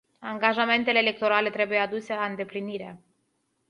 Angajamentele electorale trebuie aduse la îndeplinire.